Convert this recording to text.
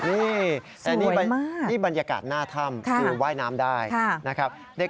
นี่แต่นี่บรรยากาศหน้าถ้ำคือว่ายน้ำได้นะครับ